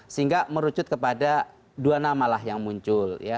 sehingga merucut kepada dua namalah yang muncul